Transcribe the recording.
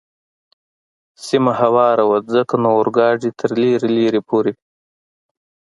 سیمه هواره وه، ځکه نو اورګاډی تر لرې لرې پورې.